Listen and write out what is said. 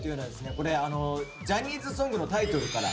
これジャニーズソングのタイトルから。